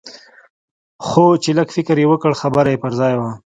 خو چې لږ فکر مې وکړ خبره يې پر ځاى وه.